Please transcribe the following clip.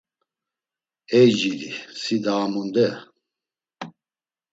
Ey cidi si daa munde?